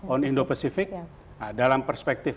on indo pacific dalam perspektif